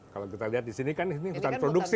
kalau kita lihat di sini kan ini hutan produksi